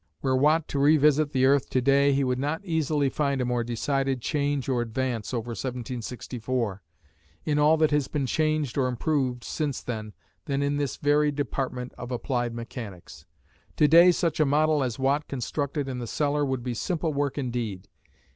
Were Watt to revisit the earth to day, he would not easily find a more decided change or advance over 1764, in all that has been changed or improved since then, than in this very department of applied mechanics. To day such a model as Watt constructed in the cellar would be simple work indeed.